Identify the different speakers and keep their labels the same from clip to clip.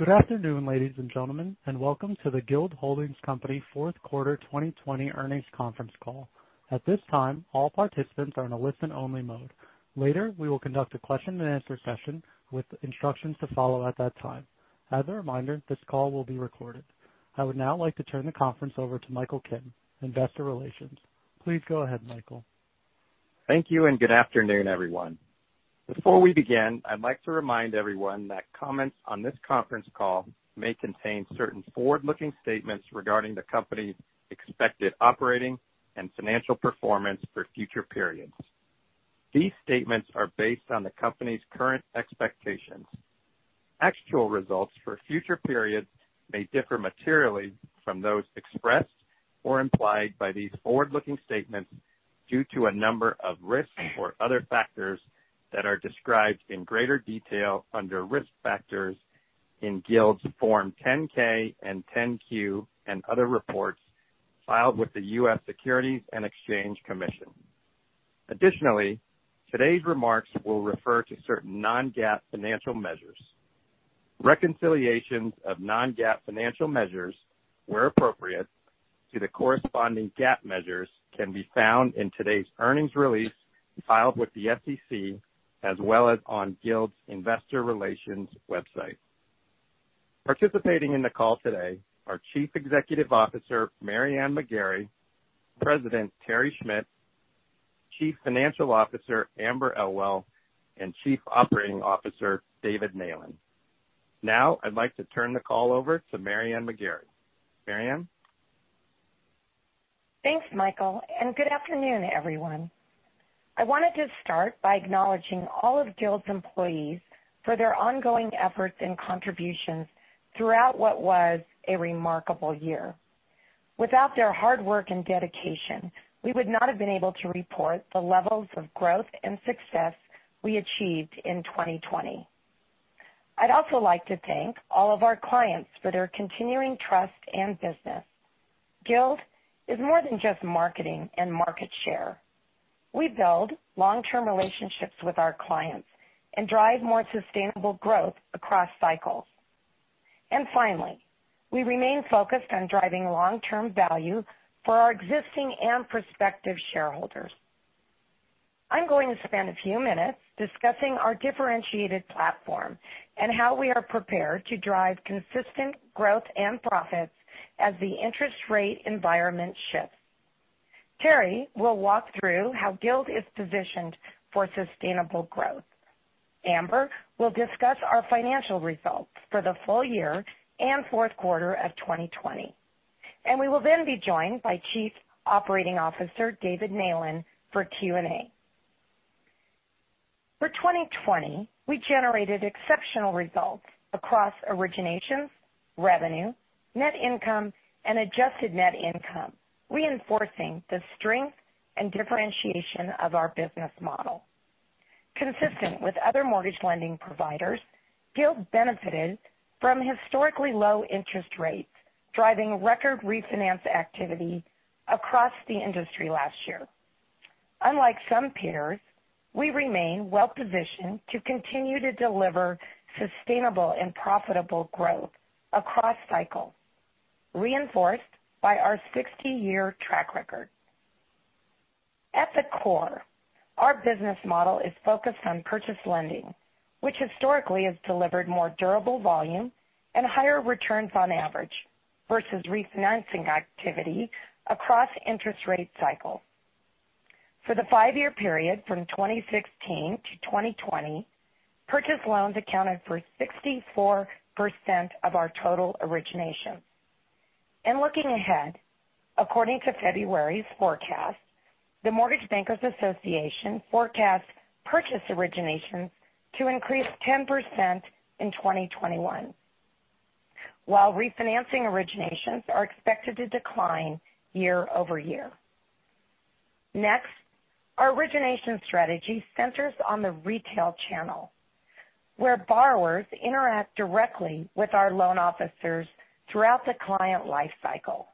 Speaker 1: Good afternoon, ladies and gentlemen, and welcome to the Guild Holdings Company fourth quarter 2020 earnings conference call. At this time, all participants are in a listen-only mode. Later, we will conduct a question and answer session with instructions to follow at that time. As a reminder, this call will be recorded. I would now like to turn the conference over to Michael Kim, Investor Relations. Please go ahead, Michael.
Speaker 2: Thank you, and good afternoon, everyone. Before we begin, I'd like to remind everyone that comments on this conference call may contain certain forward-looking statements regarding the company's expected operating and financial performance for future periods. These statements are based on the company's current expectations. Actual results for future periods may differ materially from those expressed or implied by these forward-looking statements due to a number of risks or other factors that are described in greater detail under Risk Factors in Guild's Form 10-K and 10-Q, and other reports filed with the U.S. Securities and Exchange Commission. Additionally, today's remarks will refer to certain non-GAAP financial measures. Reconciliations of non-GAAP financial measures, where appropriate, to the corresponding GAAP measures can be found in today's earnings release filed with the SEC, as well as on Guild's investor relations website. Participating in the call today are Chief Executive Officer, Mary Ann McGarry, President, Terry Schmidt, Chief Financial Officer, Amber Elwell, and Chief Operating Officer, David Neylan. Now I'd like to turn the call over to Mary Ann McGarry. Mary Ann?
Speaker 3: Thanks, Michael. Good afternoon, everyone. I wanted to start by acknowledging all of Guild's employees for their ongoing efforts and contributions throughout what was a remarkable year. Without their hard work and dedication, we would not have been able to report the levels of growth and success we achieved in 2020. I'd also like to thank all of our clients for their continuing trust and business. Guild is more than just marketing and market share. We build long-term relationships with our clients and drive more sustainable growth across cycles. Finally, we remain focused on driving long-term value for our existing and prospective shareholders. I'm going to spend a few minutes discussing our differentiated platform and how we are prepared to drive consistent growth and profits as the interest rate environment shifts. Terry will walk through how Guild is positioned for sustainable growth. Amber will discuss our financial results for the full year and fourth quarter of 2020. We will then be joined by Chief Operating Officer, David Neylan for Q&A. For 2020, we generated exceptional results across originations, revenue, net income, and adjusted net income, reinforcing the strength and differentiation of our business model. Consistent with other mortgage lending providers, Guild benefited from historically low interest rates, driving record refinance activity across the industry last year. Unlike some peers, we remain well-positioned to continue to deliver sustainable and profitable growth across cycles, reinforced by our 60-year track record. At the core, our business model is focused on purchase lending, which historically has delivered more durable volume and higher returns on average versus refinancing activity across interest rate cycles. For the five-year period from 2016 to 2020, purchase loans accounted for 64% of our total originations. Looking ahead, according to February's forecast, the Mortgage Bankers Association forecasts purchase originations to increase 10% in 2021, while refinancing originations are expected to decline year-over-year. Our origination strategy centers on the retail channel, where borrowers interact directly with our loan officers throughout the client life cycle.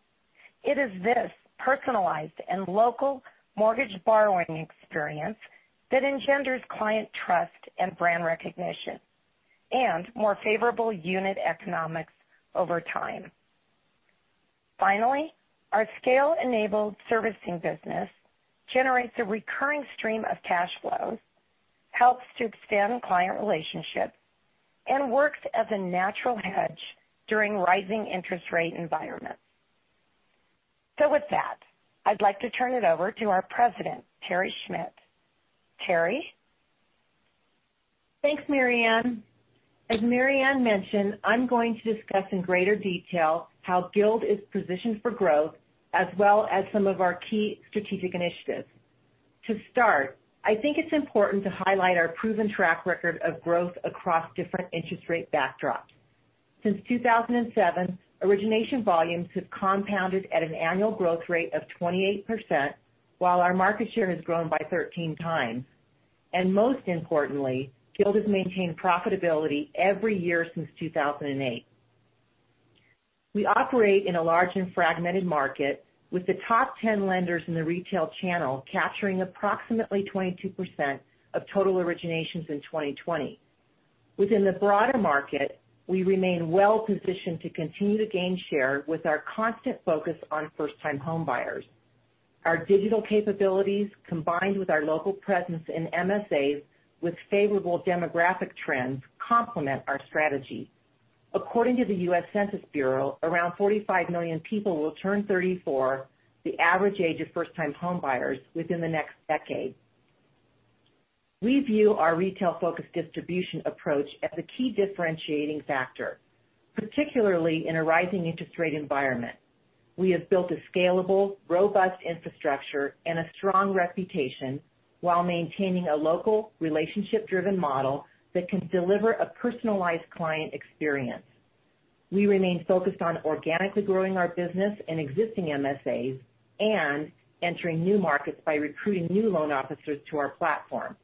Speaker 3: It is this personalized and local mortgage borrowing experience that engenders client trust and brand recognition, and more favorable unit economics over time. Our scale-enabled servicing business generates a recurring stream of cash flows, helps to extend client relationships, and works as a natural hedge during rising interest rate environments. With that, I'd like to turn it over to our President, Terry Schmidt. Terry?
Speaker 4: Thanks, Mary Ann. As Mary Ann mentioned, I'm going to discuss in greater detail how Guild is positioned for growth, as well as some of our key strategic initiatives. To start, I think it's important to highlight our proven track record of growth across different interest rate backdrops. Since 2007, origination volumes have compounded at an annual growth rate of 28%, while our market share has grown by 13 times. Most importantly, Guild has maintained profitability every year since 2008. We operate in a large and fragmented market with the top 10 lenders in the retail channel capturing approximately 22% of total originations in 2020. Within the broader market, we remain well-positioned to continue to gain share with our constant focus on first-time homebuyers. Our digital capabilities, combined with our local presence in MSAs with favorable demographic trends, complement our strategy. According to the U.S. Census Bureau, around 45 million people will turn 34, the average age of first-time homebuyers, within the next decade. We view our retail-focused distribution approach as a key differentiating factor, particularly in a rising interest rate environment. We have built a scalable, robust infrastructure and a strong reputation while maintaining a local relationship-driven model that can deliver a personalized client experience. We remain focused on organically growing our business in existing MSAs and entering new markets by recruiting new loan officers to our platform.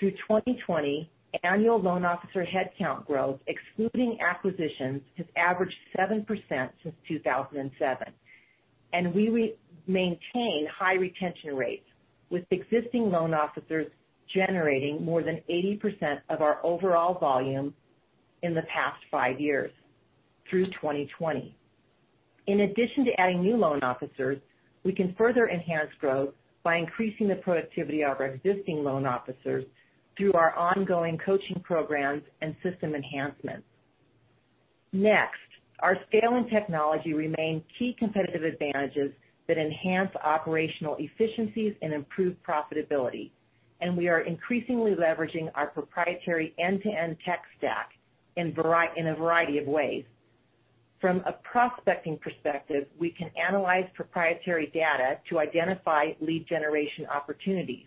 Speaker 4: Through 2020, annual loan officer headcount growth, excluding acquisitions, has averaged 7% since 2007. We maintain high retention rates, with existing loan officers generating more than 80% of our overall volume in the past five years, through 2020. In addition to adding new loan officers, we can further enhance growth by increasing the productivity of our existing loan officers through our ongoing coaching programs and system enhancements. Next, our scale and technology remain key competitive advantages that enhance operational efficiencies and improve profitability, and we are increasingly leveraging our proprietary end-to-end tech stack in a variety of ways. From a prospecting perspective, we can analyze proprietary data to identify lead generation opportunities.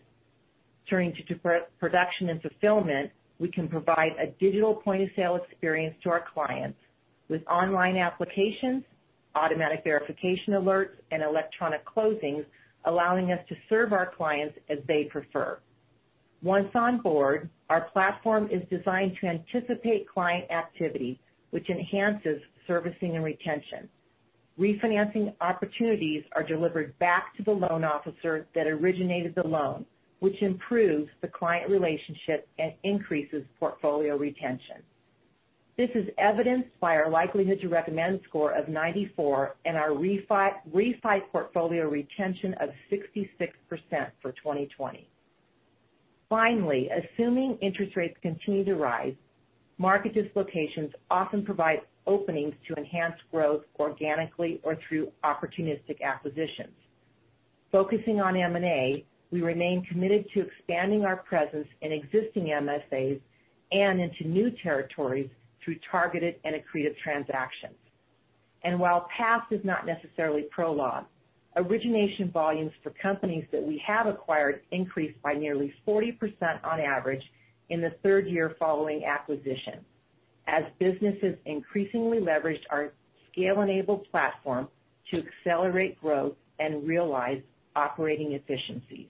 Speaker 4: Turning to production and fulfillment, we can provide a digital point-of-sale experience to our clients with online applications, automatic verification alerts, and electronic closings, allowing us to serve our clients as they prefer. Once on board, our platform is designed to anticipate client activity, which enhances servicing and retention. Refinancing opportunities are delivered back to the loan officer that originated the loan, which improves the client relationship and increases portfolio retention. This is evidenced by our likelihood to recommend score of 94 and our refi portfolio retention of 66% for 2020. Assuming interest rates continue to rise, market dislocations often provide openings to enhance growth organically or through opportunistic acquisitions. Focusing on M&A, we remain committed to expanding our presence in existing MSAs and into new territories through targeted and accretive transactions. While past is not necessarily prologue, origination volumes for companies that we have acquired increased by nearly 40% on average in the third year following acquisition as businesses increasingly leveraged our scale-enabled platform to accelerate growth and realize operating efficiencies.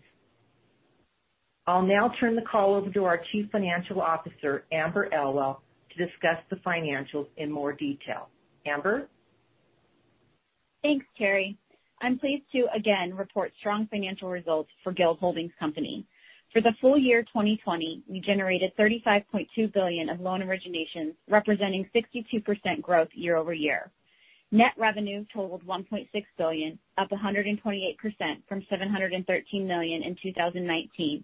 Speaker 4: I'll now turn the call over to our Chief Financial Officer, Amber Elwell, to discuss the financials in more detail. Amber?
Speaker 5: Thanks, Terry. I'm pleased to again report strong financial results for Guild Holdings Company. For the full year 2020, we generated $35.2 billion of loan originations, representing 62% growth year-over-year. Net revenue totaled $1.6 billion, up 128% from $713 million in 2019.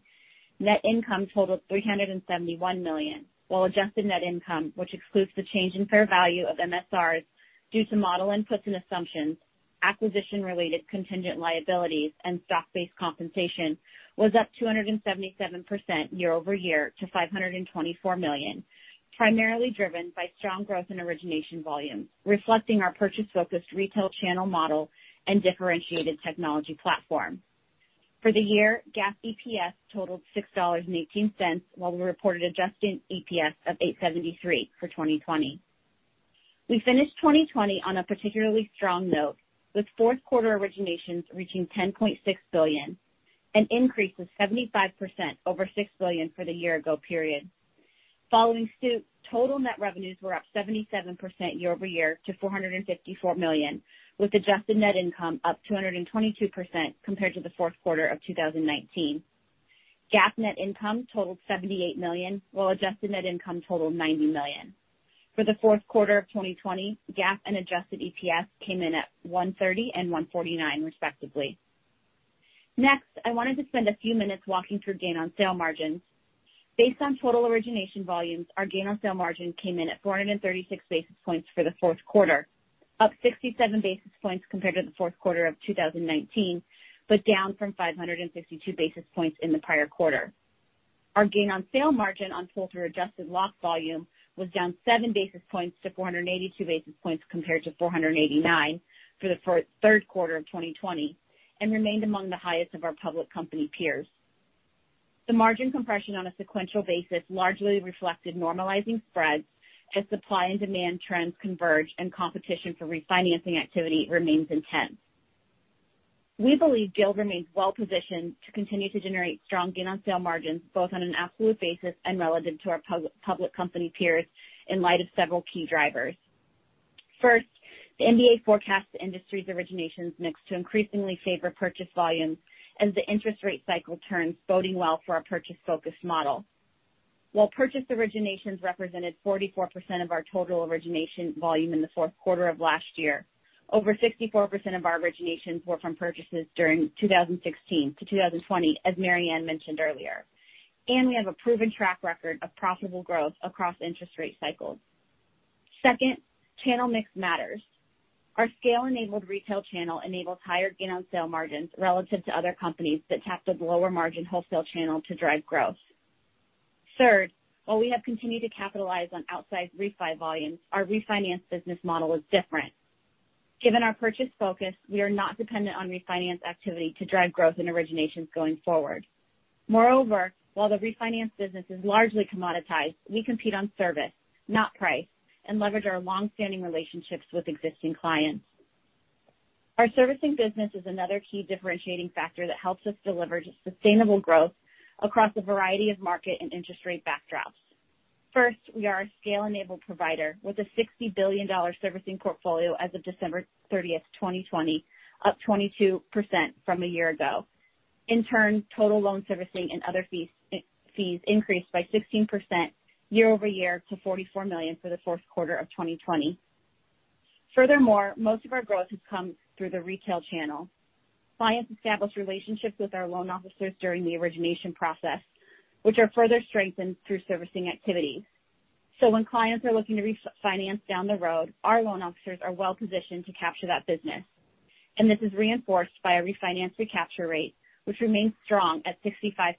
Speaker 5: Net income totaled $371 million, while adjusted net income, which excludes the change in fair value of MSRs due to model inputs and assumptions, acquisition-related contingent liabilities, and stock-based compensation was up 277% year-over-year to $524 million, primarily driven by strong growth in origination volume, reflecting our purchase-focused retail channel model and differentiated technology platform. For the year, GAAP EPS totaled $6.18, while we reported adjusted EPS of $8.73 for 2020. We finished 2020 on a particularly strong note, with fourth quarter originations reaching $10.6 billion, an increase of 75% over $6 billion for the year ago period. Following suit, total net revenues were up 77% year-over-year to $454 million, with adjusted net income up 222% compared to the fourth quarter of 2019. GAAP net income totaled $78 million, while adjusted net income totaled $90 million. For the fourth quarter of 2020, GAAP and adjusted EPS came in at $1.30 and $1.49, respectively. Next, I wanted to spend a few minutes walking through gain on sale margins. Based on total origination volumes, our gain on sale margin came in at 436 basis points for the fourth quarter, up 67 basis points compared to the fourth quarter of 2019, but down from 552 basis points in the prior quarter. Our gain on sale margin on pull-through adjusted lock volume was down seven basis points to 482 basis points compared to 489 for the third quarter of 2020 and remained among the highest of our public company peers. The margin compression on a sequential basis largely reflected normalizing spreads as supply and demand trends converge and competition for refinancing activity remains intense. We believe Guild remains well-positioned to continue to generate strong gain on sale margins, both on an absolute basis and relative to our public company peers in light of several key drivers. First, the MBA forecasts the industry's originations mix to increasingly favor purchase volumes as the interest rate cycle turns, boding well for our purchase-focused model. While purchase originations represented 44% of our total origination volume in the fourth quarter of last year, over 64% of our originations were from purchases during 2016-2020, as Mary Ann mentioned earlier. We have a proven track record of profitable growth across interest rate cycles. Second, channel mix matters. Our scale-enabled retail channel enables higher gain on sale margins relative to other companies that tap the lower margin wholesale channel to drive growth. Third, while we have continued to capitalize on outsized refi volumes, our refinance business model is different. Given our purchase focus, we are not dependent on refinance activity to drive growth in originations going forward. Moreover, while the refinance business is largely commoditized, we compete on service, not price, and leverage our long-standing relationships with existing clients. Our servicing business is another key differentiating factor that helps us deliver sustainable growth across a variety of market and interest rate backdrops. First, we are a scale-enabled provider with a $60 billion servicing portfolio as of December 30th, 2020, up 22% from a year ago. Total loan servicing and other fees increased by 16% year-over-year to $44 million for the fourth quarter of 2020. Most of our growth has come through the retail channel. Clients establish relationships with our loan officers during the origination process, which are further strengthened through servicing activities. When clients are looking to refinance down the road, our loan officers are well-positioned to capture that business. This is reinforced by a refinance recapture rate, which remains strong at 65%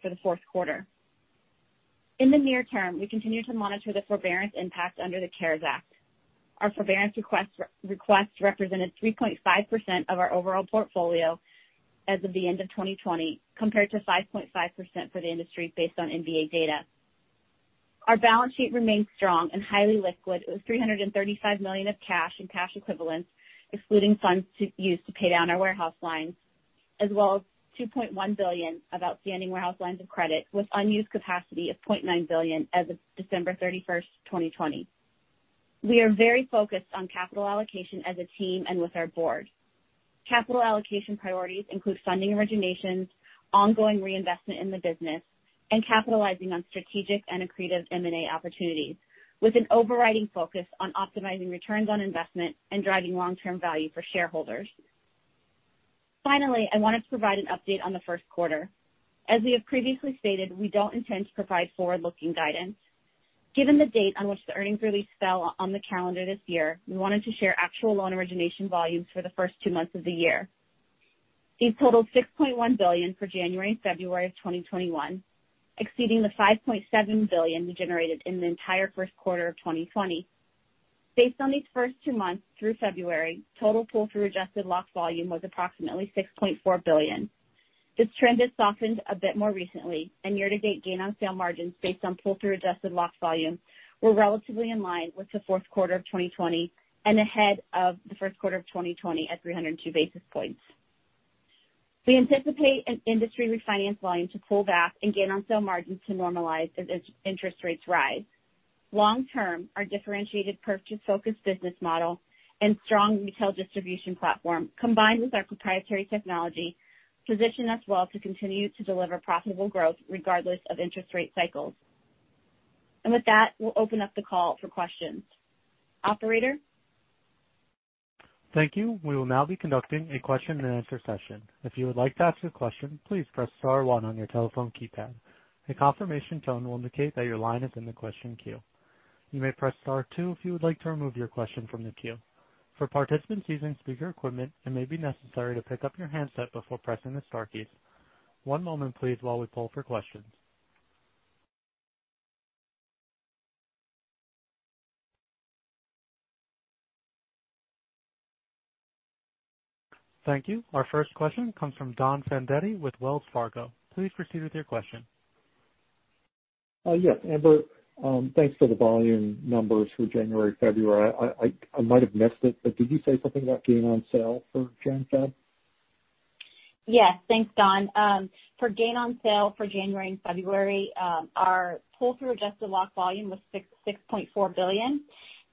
Speaker 5: for the fourth quarter. In the near term, we continue to monitor the forbearance impact under the CARES Act. Our forbearance requests represented 3.5% of our overall portfolio as of the end of 2020, compared to 5.5% for the industry based on MBA data. Our balance sheet remains strong and highly liquid, with $335 million of cash and cash equivalents, excluding funds used to pay down our warehouse lines, as well as $2.1 billion of outstanding warehouse lines of credit with unused capacity of $0.9 billion as of December 31st, 2020. We are very focused on capital allocation as a team and with our board. Capital allocation priorities include funding originations, ongoing reinvestment in the business, and capitalizing on strategic and accretive M&A opportunities with an overriding focus on optimizing returns on investment and driving long-term value for shareholders. Finally, I wanted to provide an update on the first quarter. As we have previously stated, we don't intend to provide forward-looking guidance. Given the date on which the earnings release fell on the calendar this year, we wanted to share actual loan origination volumes for the first two months of the year. These totaled $6.1 billion for January and February of 2021, exceeding the $5.7 billion we generated in the entire first quarter of 2020. Based on these first two months through February, total pull-through adjusted lock volume was approximately $6.4 billion. This trend has softened a bit more recently, and year-to-date gain on sale margins based on pull-through adjusted lock volume were relatively in line with the fourth quarter of 2020 and ahead of the first quarter of 2020 at 302 basis points. We anticipate an industry refinance volume to pull back and gain on sale margins to normalize as interest rates rise. Long term, our differentiated purchase-focused business model and strong retail distribution platform, combined with our proprietary technology, position us well to continue to deliver profitable growth regardless of interest rate cycles. With that, we'll open up the call for questions. Operator?
Speaker 1: Thank you. We will now be conducting a question and answer session. If you would like to ask a question, please press star one on your telephone keypad. A confirmation tone will indicate that your line is in the question queue. You may press star two if you would like to remove your question from the queue. For participants using speaker equipment, it may be necessary to pick up your handset before pressing the star keys. One moment, please, while we pull for questions. Thank you. Our first question comes from Don Fandetti with Wells Fargo. Please proceed with your question.
Speaker 6: Yes. Amber, thanks for the volume numbers for January, February. I might have missed it, but did you say something about gain on sale for Jan, Feb?
Speaker 5: Yes, thanks, Don. For gain on sale for January and February, our pull-through adjusted lock volume was $6.4 billion.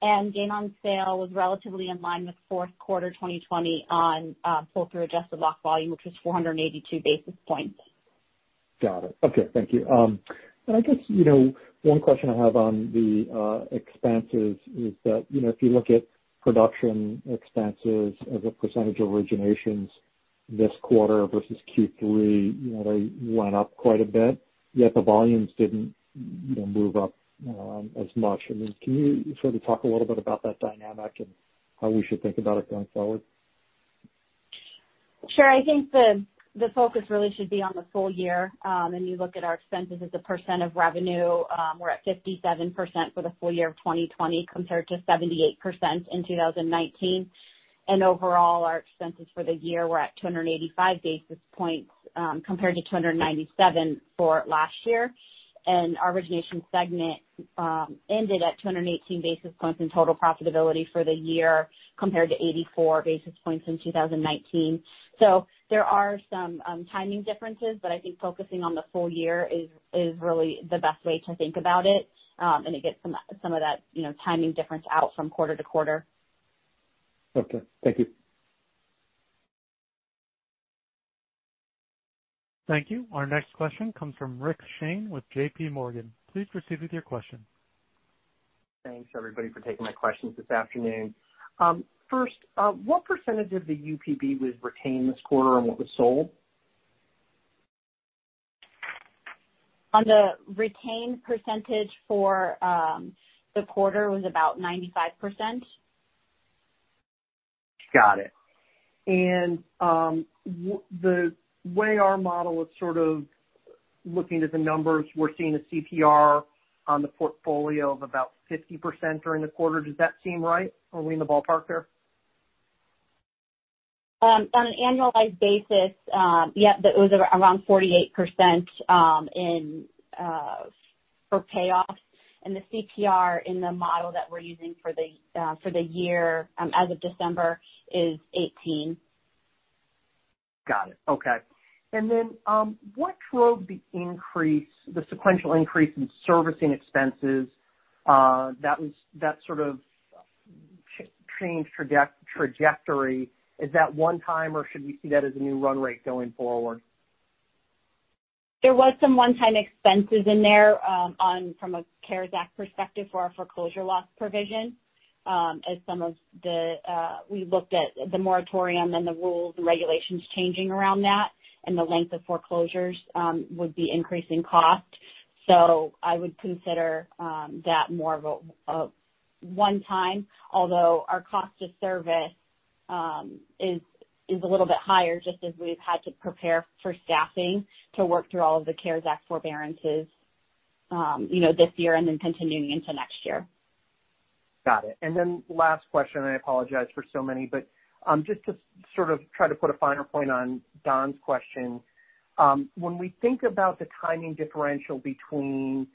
Speaker 5: Gain on sale was relatively in line with fourth quarter 2020 on pull-through adjusted lock volume, which was 482 basis points.
Speaker 6: Got it. Okay. Thank you. I guess one question I have on the expenses is that if you look at production expenses as a percentage of originations this quarter versus Q3, they went up quite a bit, yet the volumes didn't move up as much. Can you sort of talk a little bit about that dynamic and how we should think about it going forward?
Speaker 5: Sure. I think the focus really should be on the full year. When you look at our expenses as a percent of revenue, we're at 57% for the full year of 2020 compared to 78% in 2019. Overall, our expenses for the year were at 285 basis points compared to 297 for last year. Our origination segment ended at 218 basis points in total profitability for the year compared to 84 basis points in 2019. There are some timing differences, but I think focusing on the full year is really the best way to think about it. It gets some of that timing difference out from quarter to quarter.
Speaker 6: Okay. Thank you.
Speaker 1: Thank you. Our next question comes from Rick Shane with JPMorgan. Please proceed with your question.
Speaker 7: Thanks, everybody, for taking my questions this afternoon. First, what % of the UPB was retained this quarter and what was sold?
Speaker 5: On the retained percentage for the quarter was about 95%.
Speaker 7: Got it. The way our model is sort of looking at the numbers, we're seeing a CPR on the portfolio of about 50% during the quarter. Does that seem right? Are we in the ballpark there?
Speaker 5: On an annualized basis, yeah, it was around 48% for payoffs. The CPR in the model that we're using for the year, as of December, is 18.
Speaker 7: Got it. Okay. What drove the sequential increase in servicing expenses? That sort of changed trajectory. Is that one time, or should we see that as a new run rate going forward?
Speaker 5: There was some one-time expenses in there from a CARES Act perspective for our foreclosure loss provision. We looked at the moratorium and the rules and regulations changing around that, and the length of foreclosures would be increasing cost. I would consider that more of a one time, although our cost to service is a little bit higher, just as we've had to prepare for staffing to work through all of the CARES Act forbearances this year and then continuing into next year.
Speaker 7: Got it. Last question, I apologize for so many, but just to sort of try to put a finer point on Don's question. When we think about the timing differential between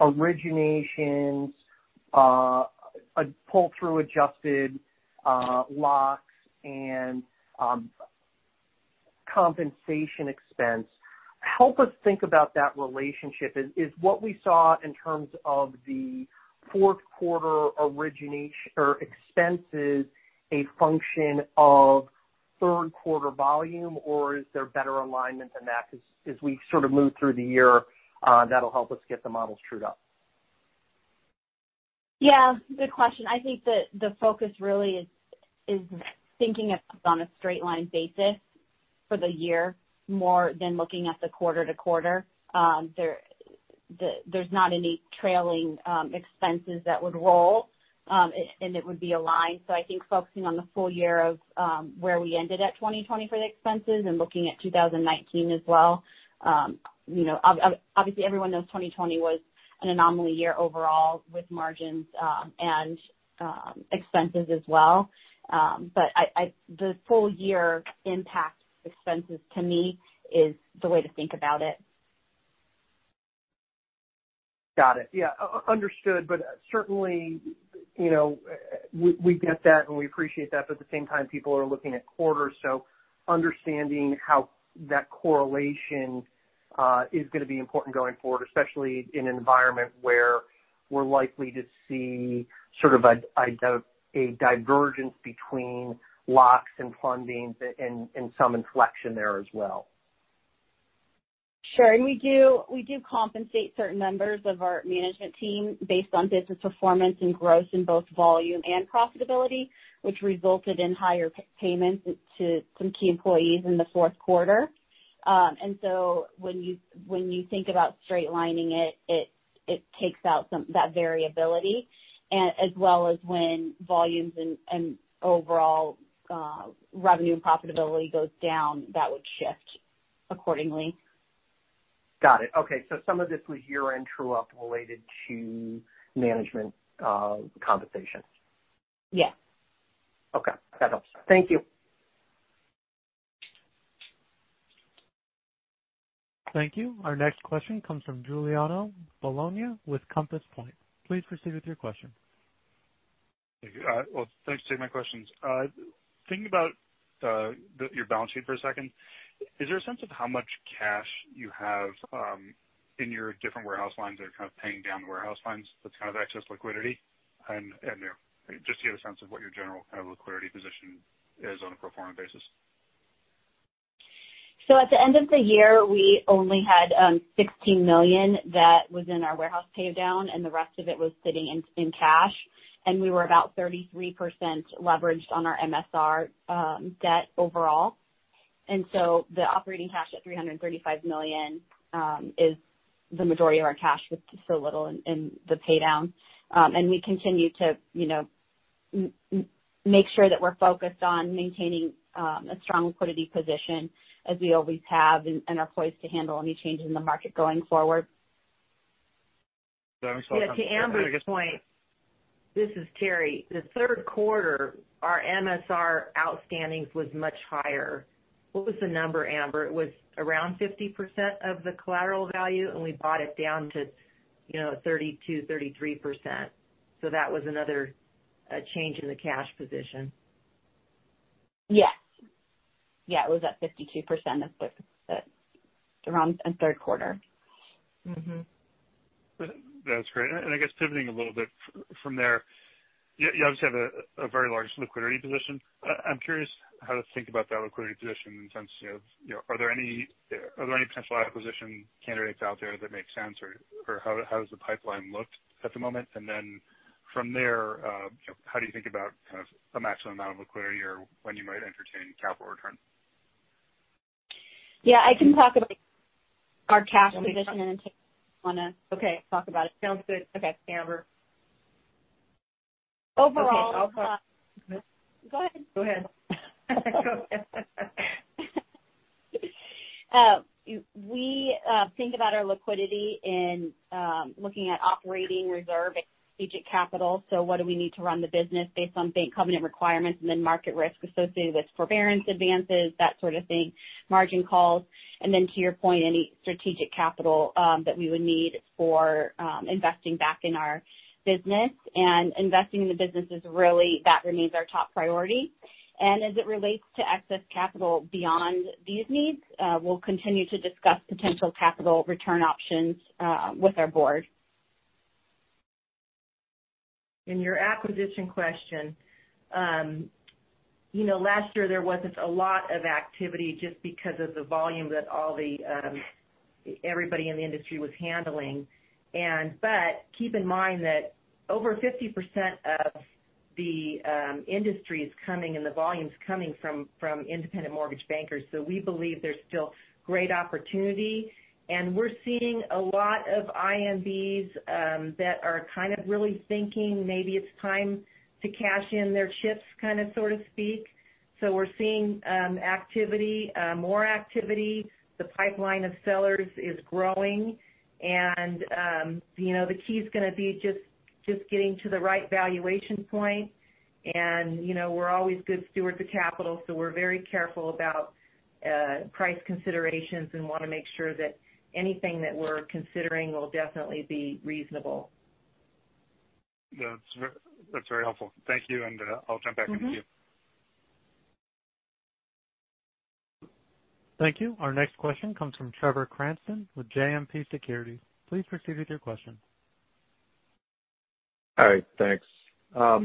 Speaker 7: originations, pull-through adjusted locks, and compensation expense, help us think about that relationship. Is what we saw in terms of the 4th quarter expenses a function of 3rd quarter volume, or is there better alignment than that as we sort of move through the year that'll help us get the models trued up?
Speaker 5: Good question. I think that the focus really is thinking on a straight line basis for the year, more than looking at the quarter to quarter. There's not any trailing expenses that would roll, and it would be aligned. I think focusing on the full year of where we ended at 2020 for the expenses and looking at 2019 as well. Obviously, everyone knows 2020 was an anomaly year overall with margins and expenses as well. The full year impact expenses to me is the way to think about it.
Speaker 7: Got it. Yeah. Understood. Certainly, we get that, and we appreciate that, but at the same time, people are looking at quarters. Understanding how that correlation is going to be important going forward, especially in an environment where we're likely to see sort of a divergence between locks and fundings and some inflection there as well.
Speaker 5: Sure. We do compensate certain members of our management team based on business performance and growth in both volume and profitability, which resulted in higher payments to some key employees in the fourth quarter. When you think about straight lining it takes out that variability, as well as when volumes and overall revenue and profitability goes down, that would shift accordingly.
Speaker 7: Got it. Okay. Some of this was year-end true-up related to management compensation.
Speaker 5: Yeah.
Speaker 7: Okay. That helps. Thank you.
Speaker 1: Thank you. Our next question comes from Giuliano Bologna with Compass Point. Please proceed with your question.
Speaker 8: Well, thanks for taking my questions. Thinking about your balance sheet for a second, is there a sense of how much cash you have in your different warehouse lines that are kind of paying down the warehouse lines, that's kind of excess liquidity? Just to get a sense of what your general kind of liquidity position is on a go-forward basis.
Speaker 5: At the end of the year, we only had $16 million that was in our warehouse pay down, and the rest of it was sitting in cash. We were about 33% leveraged on our MSR debt overall. The operating cash at $335 million is the majority of our cash with so little in the pay down. We continue to make sure that we're focused on maintaining a strong liquidity position as we always have, and are poised to handle any changes in the market going forward.
Speaker 4: Yeah, to Amber's point, this is Terry. The third quarter, our MSR outstandings was much higher. What was the number, Amber? It was around 50% of the collateral value, and we brought it down to 32%-33%. That was another change in the cash position.
Speaker 5: Yes. It was at 52% around the third quarter.
Speaker 8: That's great. I guess pivoting a little bit from there, you obviously have a very large liquidity position. I'm curious how to think about that liquidity position in terms of are there any potential acquisition candidates out there that make sense? How does the pipeline look at the moment? Then from there, how do you think about kind of a maximum amount of liquidity or when you might entertain capital returns?
Speaker 5: Yeah, I can talk about our cash position and then Terry, if you want to
Speaker 4: Okay.
Speaker 5: Talk about it.
Speaker 4: Sounds good. Okay. Amber. Okay. I'll talk.
Speaker 5: Go ahead.
Speaker 4: Go ahead.
Speaker 5: We think about our liquidity in looking at operating reserve and strategic capital. What do we need to run the business based on bank covenant requirements and then market risk associated with forbearance advances, that sort of thing, margin calls. Then to your point, any strategic capital that we would need for investing back in our business. Investing in the business is really, that remains our top priority. As it relates to excess capital beyond these needs, we'll continue to discuss potential capital return options with our board.
Speaker 4: In your acquisition question. Last year, there wasn't a lot of activity just because of the volume that everybody in the industry was handling. Keep in mind that over 50% of the industry is coming and the volume's coming from independent mortgage bankers. We believe there's still great opportunity, and we're seeing a lot of IMBs that are kind of really thinking maybe it's time to cash in their chips, so to speak. We're seeing more activity. The pipeline of sellers is growing, and the key's going to be just getting to the right valuation point. We're always good stewards of capital, so we're very careful about price considerations and want to make sure that anything that we're considering will definitely be reasonable.
Speaker 8: That's very helpful. Thank you. I'll jump back in the queue.
Speaker 1: Thank you. Our next question comes from Trevor Cranston with JMP Securities. Please proceed with your question.
Speaker 9: All right. Thanks. A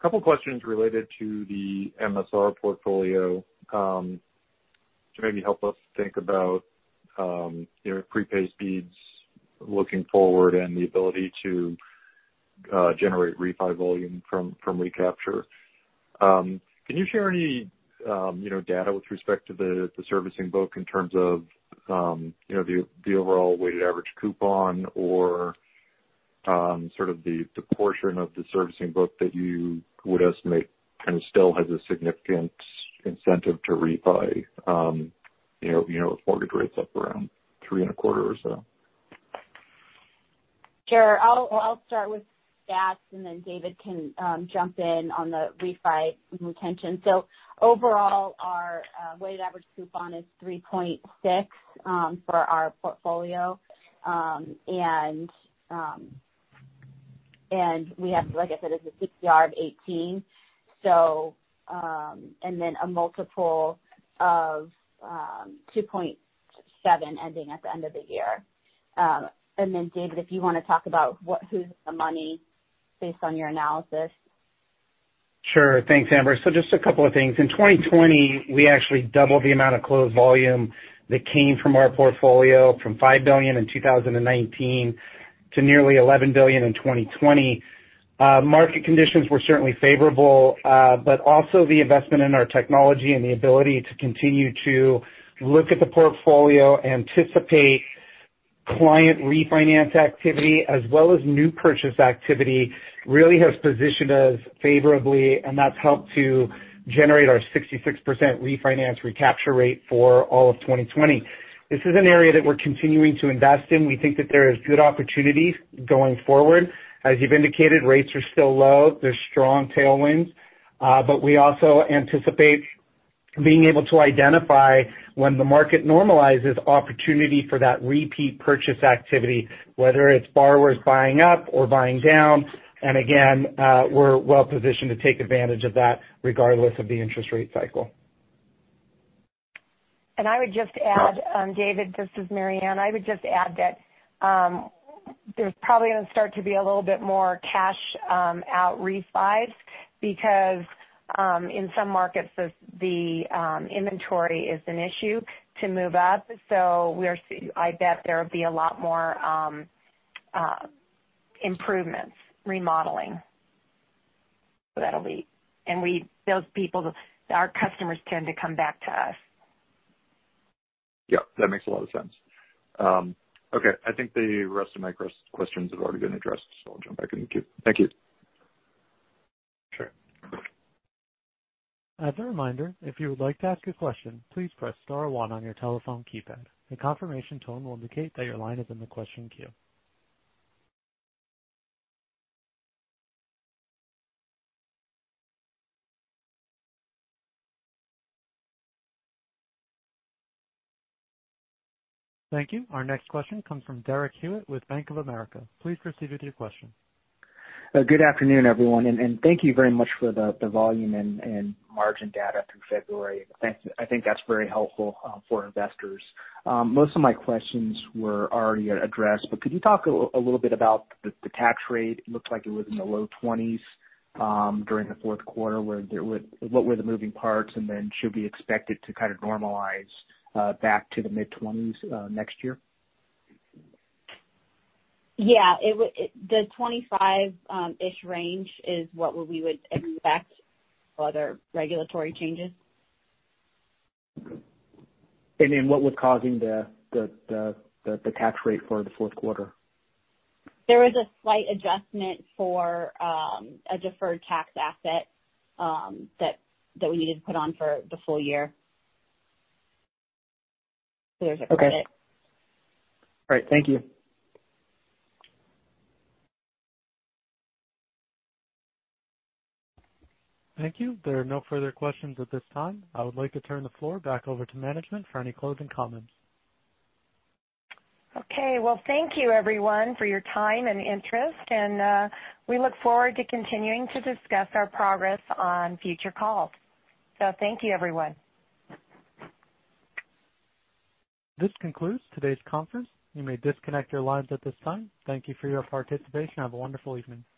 Speaker 9: couple questions related to the MSR portfolio to maybe help us think about your prepay speeds looking forward and the ability to generate refi volume from recapture. Can you share any data with respect to the servicing book in terms of the overall weighted average coupon or sort of the portion of the servicing book that you would estimate kind of still has a significant incentive to refi with mortgage rates up around three and a quarter or so?
Speaker 5: Sure. I'll start with stats, and then David can jump in on the refi retention. Overall, our weighted average coupon is 3.6 for our portfolio. We have, like I said, a CPR of 18, and then a multiple of 2.7 ending at the end of the year. David, if you want to talk about who's the money based on your analysis.
Speaker 10: Sure. Thanks, Amber. Just a couple of things. In 2020, we actually doubled the amount of closed volume that came from our portfolio, from $5 billion in 2019 to nearly $11 billion in 2020. Market conditions were certainly favorable, but also the investment in our technology and the ability to continue to look at the portfolio, anticipate client refinance activity as well as new purchase activity, really has positioned us favorably, and that's helped to generate our 66% refinance recapture rate for all of 2020. This is an area that we're continuing to invest in. We think that there is good opportunity going forward. As you've indicated, rates are still low. There's strong tailwinds. We also anticipate being able to identify when the market normalizes opportunity for that repeat purchase activity, whether it's borrowers buying up or buying down. Again, we're well-positioned to take advantage of that regardless of the interest rate cycle.
Speaker 3: I would just add, David, this is Mary Ann. I would just add that there's probably going to start to be a little bit more cash out refis because in some markets, the inventory is an issue to move up. I bet there'll be a lot more improvements, remodeling. Those people, our customers tend to come back to us.
Speaker 9: Yep, that makes a lot of sense. Okay, I think the rest of my questions have already been addressed, so I'll jump back in the queue. Thank you.
Speaker 1: Thank you. Our next question comes from Derek Hewett with Bank of America. Please proceed with your question.
Speaker 11: Good afternoon, everyone, and thank you very much for the volume and margin data through February. I think that's very helpful for investors. Most of my questions were already addressed. Could you talk a little bit about the tax rate? It looked like it was in the low 20s during the fourth quarter. What were the moving parts? Should we expect it to kind of normalize back to the mid-20s next year?
Speaker 5: Yeah. The 25-ish range is what we would expect without regulatory changes.
Speaker 11: What was causing the tax rate for the fourth quarter?
Speaker 5: There was a slight adjustment for a deferred tax asset that we needed to put on for the full year. There's a credit.
Speaker 11: Okay. All right. Thank you.
Speaker 1: Thank you. There are no further questions at this time. I would like to turn the floor back over to management for any closing comments.
Speaker 3: Okay. Well, thank you everyone for your time and interest, and we look forward to continuing to discuss our progress on future calls. Thank you, everyone.
Speaker 1: This concludes today's conference. You may disconnect your lines at this time. Thank you for your participation. Have a wonderful evening.